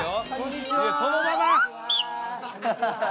そのまま！